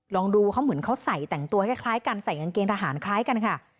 ลองดูเขาเหมือนเขาใส่แต่งตัวคล้ายกันใส่กางเกงทหารคล้ายกันค่ะ